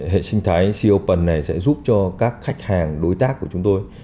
hệ sinh thái c open này sẽ giúp cho các khách hàng đối tác của chúng tôi